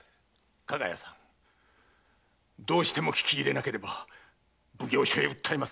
加賀屋さんどうしても聞き入れなければ奉行所へ訴えます。